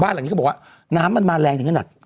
บ้านหลักนี้เขาบอกว่าน้ำมันมาแรงอย่างกะหนัก